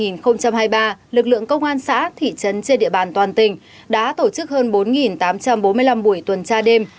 năm hai nghìn hai mươi ba lực lượng công an xã thị trấn trên địa bàn toàn tỉnh đã tổ chức hơn bốn tám trăm bốn mươi năm buổi tuần tra đêm